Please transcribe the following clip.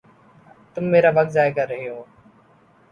تم میرا وقت ضائع کر رہے ہو